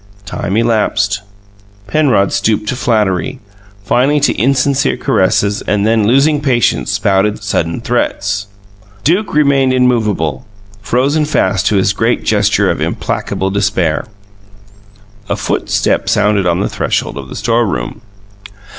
Time elapsed. Penrod stooped to flattery, finally to insincere caresses; then, losing patience spouted sudden threats. Duke remained immovable, frozen fast to his great gesture of implacable despair. A footstep sounded on the threshold of the store room.